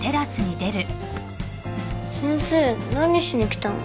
先生何しに来たの？